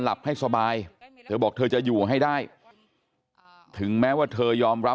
หลับให้สบายเธอบอกเธอจะอยู่ให้ได้ถึงแม้ว่าเธอยอมรับ